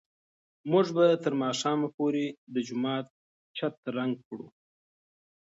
موږ به تر ماښامه پورې د جومات چت رنګ کړو.